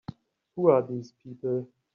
Who are these people?